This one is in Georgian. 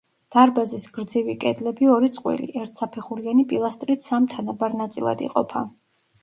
დარბაზის გრძივი კედლები ორი წყვილი, ერთსაფეხურიანი პილასტრით სამ თანაბარ ნაწილად იყოფა.